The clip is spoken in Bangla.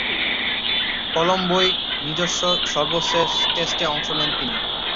কলম্বোয় নিজস্ব সর্বশেষ টেস্টে অংশ নেন তিনি।